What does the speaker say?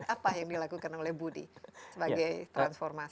apa yang dilakukan oleh budi sebagai transformasi